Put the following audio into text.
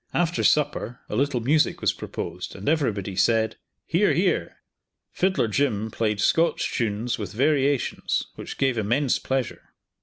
After supper a little music was proposed, and everybody said, "Hear! hear!" Fiddler Jim played Scotch tunes with variations, which gave immense pleasure.